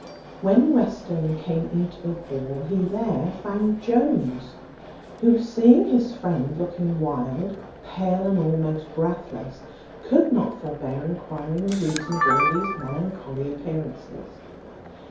When Western came into the hall, he there found Jones; who seeing his friend looking wild, pale, and almost breathless, could not forbear enquiring the reason of all these melancholy appearances.